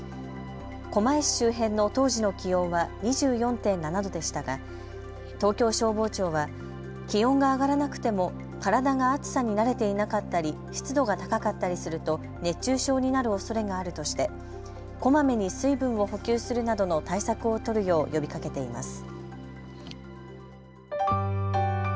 狛江市周辺の当時の気温は２４．７度でしたが東京消防庁は気温が上がらなくても体が暑さに慣れていなかったり湿度が高かったりすると熱中症になるおそれがあるとしてこまめに水分を補給するなどの対策を取るよう呼びかけています。